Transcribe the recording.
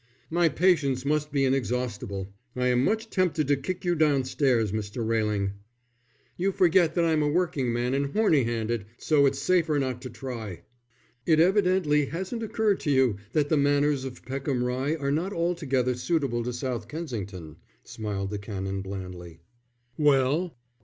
"My patience must be inexhaustible. I am much tempted to kick you downstairs, Mr. Railing." "You forget that I'm a working man and horny handed, so it's safer not to try." "It evidently hasn't occurred to you that the manners of Peckham Rye are not altogether suitable to South Kensington," smiled the Canon, blandly. "Well?"